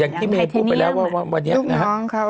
อย่างที่เมนพูดไปแล้วว่าวันนี้นะฮะ